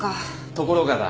ところがだ。